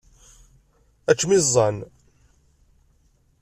Ad teččem iẓẓan.